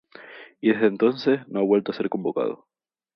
Y desde entonces no ha vuelto a ser convocado.